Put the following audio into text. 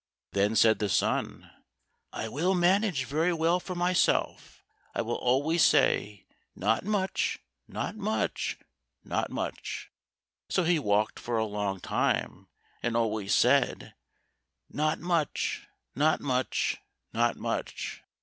Then said the son, "I will manage very well for myself; I will always say, Not much, not much, not much." So he walked for a long time and always said, "Not much, not much, not much."